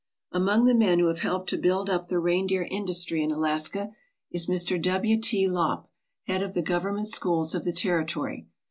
Among the men who have helped to build up the rein deer industry in Alaska is Mr. W. T. Lopp, head of the government schools of the territory.